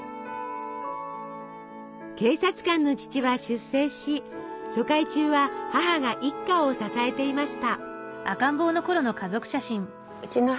警察官の父は出征し疎開中は母が一家を支えていました。